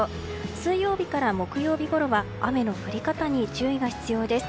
水曜日から木曜日ごろは雨の降り方に注意が必要です。